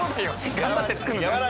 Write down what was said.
頑張って作るから。